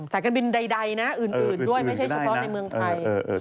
การบินใดนะอื่นด้วยไม่ใช่เฉพาะในเมืองไทย